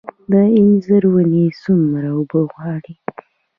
د انځر ونې څومره اوبه غواړي؟